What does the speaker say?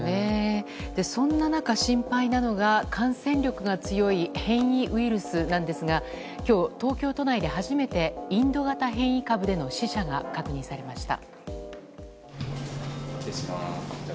そんな中、心配なのが感染力が強い変異ウイルスなんですが今日、東京都内で初めてインド型変異株での死者が確認されました。